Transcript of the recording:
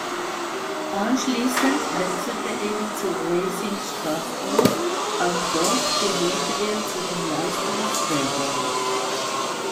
Anschließend wechselte er zu Racing Strasbourg, auch dort gehörte er zu den Leistungsträgern.